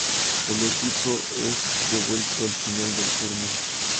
El equipo es devuelto al final del turno.